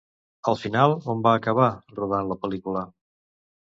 Al final on va acabar rodant la pel·lícula?